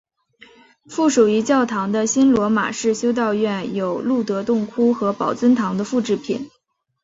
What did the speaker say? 附属于教堂的新罗马式修道院有露德洞窟和宝尊堂的复制品。